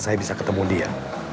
saya bisa ketemu dia